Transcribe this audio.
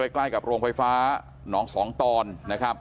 ใกล้กับโรงไฟฟ้าหนองสองตอนนะครับ